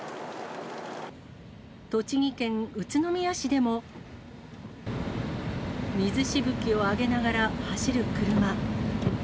栃木県宇都宮市でも、水しぶきを上げながら走る車。